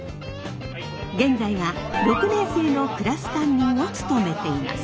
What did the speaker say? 現在は６年生のクラス担任を務めています。